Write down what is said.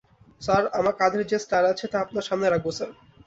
Sir, আমার কাধের যে স্টার আছে, তা আপনার সামনে রাখব, স্যার।